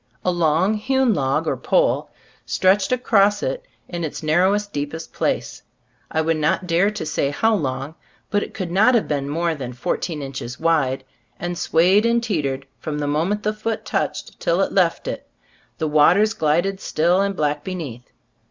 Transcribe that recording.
A long hewn log or pole stretched across it in its narrowest, deep est place. I would not dare to say how long, but it could not have been more than fourteen inches wide, and swayed and teetered from the 56 £be Storg of As Gbtl&boofc moment the foot touched till it left it. The waters glided still and black be neath.